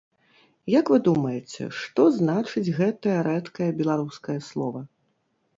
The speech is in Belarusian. Як вы думаеце, што значыць гэтае рэдкае беларускае слова?